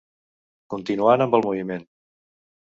Continuant amb el moviment.